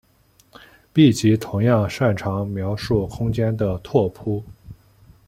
闭集同样擅长描述空间的拓扑。